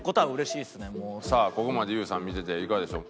ここまでＹＯＵさん見てていかがでしょう？